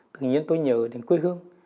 tự nhiên tôi nhớ đến quê hương